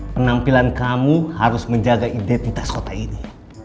penampilan kamu harus menjaga identitas kota ini